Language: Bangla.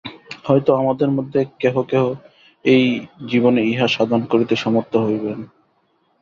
হয়তো আমাদের মধ্যে কেহ কেহ এই জীবনে ইহা সাধন করিতে সমর্থ হইবেন।